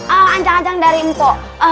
ancang ancang dari mko